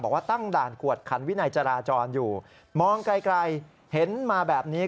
บอกว่าตั้งด่านกวดขันวินัยจราจรอยู่มองไกลเห็นมาแบบนี้